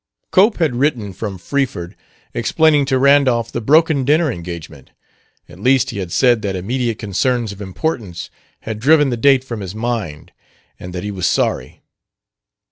Cope had written from Freeford, explaining to Randolph the broken dinner engagement: at least he had said that immediate concerns of importance had driven the date from his mind, and that he was sorry.